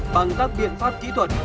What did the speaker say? bằng các biện pháp kỹ thuật